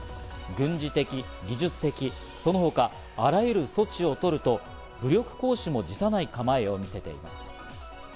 軍事的、技術的、その他あらゆる措置を取ると武力行使も辞さない構えを見せています。